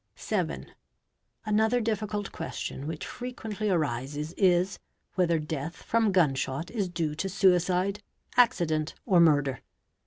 | 7. Another difficult question which frequently arises is, whether death from gun shot is due to suicide, accident, or murder